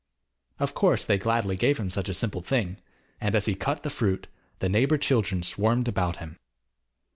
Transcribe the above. Of course they gladly gave him such a simple thing, and as he cut the fruit the neighbour children swarmed about him.